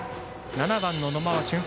７番の野間は俊足。